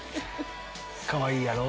かわいいやろ。